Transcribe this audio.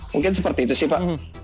mungkin seperti itu sih pak